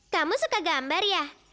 kamu suka gambar ya